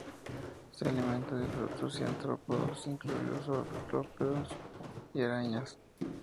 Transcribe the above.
Se alimenta de frutos y artrópodos, incluidos ortópteros y arañas.